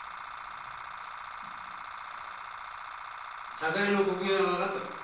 茶会の刻限はわかったか？